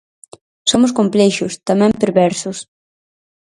Somos complexos, tamén perversos.